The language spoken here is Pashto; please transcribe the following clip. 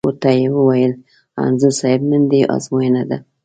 ور ته یې وویل: انځور صاحب نن دې ازموینه ده.